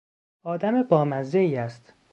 آدم بامزهای است!